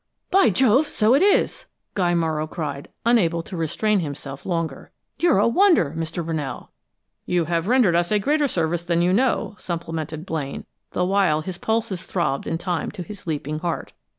"By Jove, so it is!" Guy Morrow cried, unable to restrain himself longer. "You're a wonder, Mr. Brunell!" "You have rendered us a greater service than you know," supplemented Blaine, the while his pulses throbbed in time to his leaping heart.